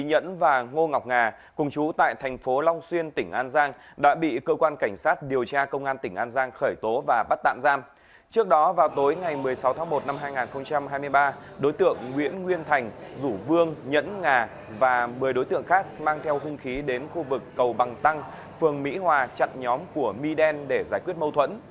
đó vào tối ngày một mươi sáu tháng một năm hai nghìn hai mươi ba đối tượng nguyễn nguyên thành dũ vương nhẫn ngà và một mươi đối tượng khác mang theo hương khí đến khu vực cầu bằng tăng phường mỹ hòa chặn nhóm của mi đen để giải quyết mâu thuẫn